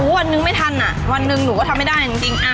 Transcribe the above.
วันนึงไม่ทันวันหนึ่งหนูก็ทำไม่ได้จริง